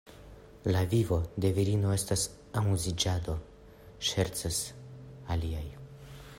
La vivo de virino estas amuziĝado, ŝercas aliaj.